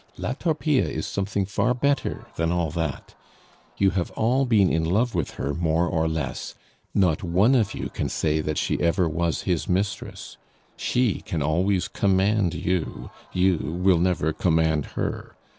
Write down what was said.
"La Torpille is something far better than all that; you have all been in love with her more or less, not one of you can say that she ever was his mistress. She can always command you; you will never command her.